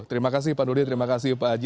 terima kasih pak nudin terima kasih pak haji